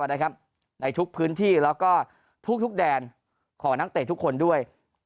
ในทุกพื้นที่แล้วก็ทุกแดนของนักเตะทุกคนด้วย